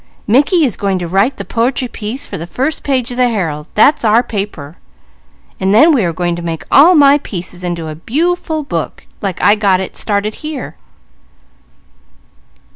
Mickey is going to write the po'try piece for the first page of the Herald that's our paper and then we are going to make all my pieces into a bu'ful book, like I got it started here."